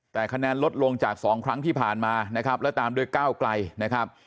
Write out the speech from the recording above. แต่คะแนนลดลงจากสองครั้งที่ผ่านมานะครับแล้วตามด้วยก้าวไกลนะครับ